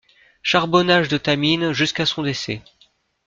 Charbonnages de Tamines jusqu'à son décès.